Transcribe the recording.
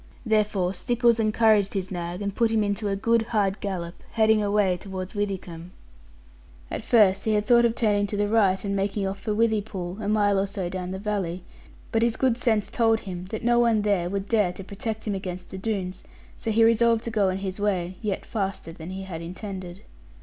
Therefore Stickles encouraged his nag, and put him into a good hard gallop, heading away towards Withycombe. At first he had thought of turning to the right, and making off for Withypool, a mile or so down the valley; but his good sense told him that no one there would dare to protect him against the Doones, so he resolved to go on his way; yet faster than he had intended.